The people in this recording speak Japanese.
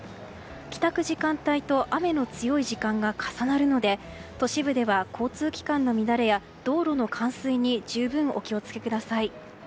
帰宅時間帯と雨の強い時間が重なるので都市部では交通機関の乱れや道路の冠水に十分お気を付けください。